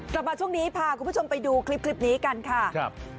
กลับมาช่วงนี้พาคุณผู้ชมไปดูคลิปนี้กันค่ะครับ